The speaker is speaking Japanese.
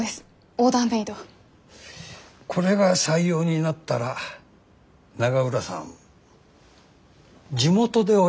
これが採用になったら永浦さん地元でおやりになるの？